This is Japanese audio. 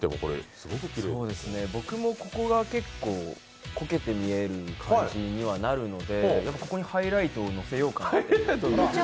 僕もここが結構こけて見える感じにはなるので、ここにハイライトを乗せようかなと。